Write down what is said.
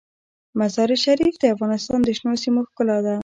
مزارشریف د افغانستان د شنو سیمو ښکلا ده.